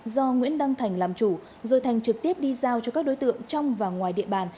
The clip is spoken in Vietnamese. do nguyễn đăng thành làm chủ rồi thành trực tiếp đi giao cho các đối tượng trong và ngoài địa bàn